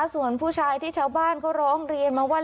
ส่วนผู้ชายที่ชาวบ้านเขาร้องเรียนมาว่า